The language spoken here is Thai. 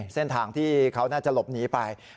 เส้นทางที่เขาน่าจะหลบหนีไป